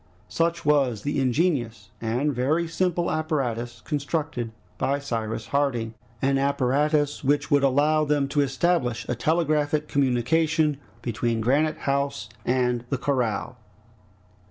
Such was the ingenious and very simple apparatus constructed by Cyrus Harding, an apparatus which would allow them to establish a telegraphic communication between Granite House and the corral.